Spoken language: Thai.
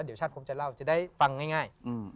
เดี๋ยวชาติผมจะเล่าจะได้ฟังง่าย